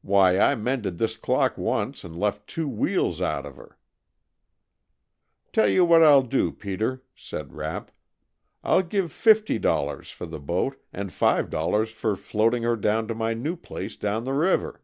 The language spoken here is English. Why I mended this clock once and left two wheels out of her " "Tell you what I'll do, Peter," said Rapp, "I'll give fifty dollars for the boat, and five dollars for floating her down to my new place down the river."